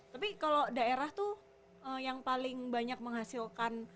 tapi kalau daerah tuh yang paling banyak menghasilkan